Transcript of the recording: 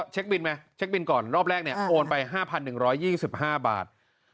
แช็คบินก่อนรอบแรกโอนไป๕๑๒๕บาท